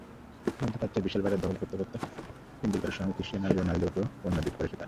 মধ্যপ্রাচ্যের বিশাল বাজার দখল করতে টেন্ডুলকারের সঙ্গে ক্রিস্টিয়ানো রোনালদোকেও পণ্যদূত করেছে তারা।